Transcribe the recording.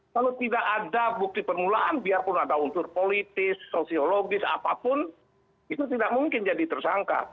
kalau tidak ada bukti permulaan biarpun ada unsur politis sosiologis atau sebagainya itu tidak bisa ditetapkan sebagai tersangka